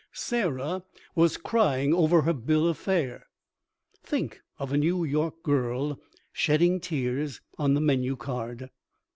Sarah was crying over her bill of fare. Think of a New York girl shedding tears on the menu card!